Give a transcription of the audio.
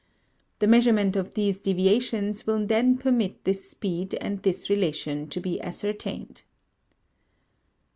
The measurement of these deviations will then permit this speed and this relation to be ascertained.